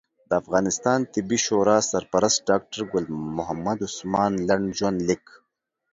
د افغانستان طبي شورا سرپرست ډاکټر ګل محمد عثمان لنډ ژوند لیک